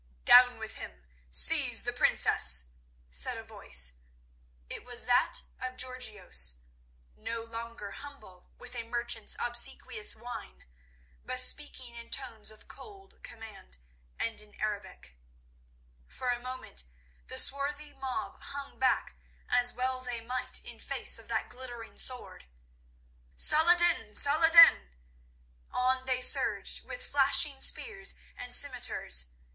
"Down with him! seize the Princess!" said a voice. It was that of Georgios, no longer humble with a merchant's obsequious whine, but speaking in tones of cold command and in Arabic. For a moment the swarthy mob hung back, as well they might in face of that glittering sword. Then with a cry of "Salah ed din! Salah ed din!" on they surged, with flashing spears and scimitars.